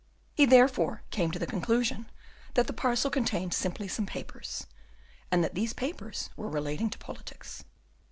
He therefore came to the conclusion that the parcel contained simply some papers, and that these papers were relating to politics.